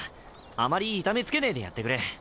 あまり痛めつけねえでやってくれ。